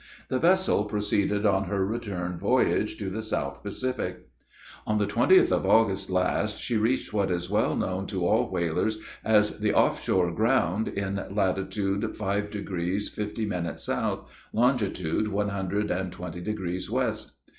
The vessel proceeded on her return voyage to the South Pacific. On the 20th of August last she reached what is well known to all whalers, as the "Off shore ground," in latitude five degrees fifty minutes south, longitude one hundred and twenty degrees west.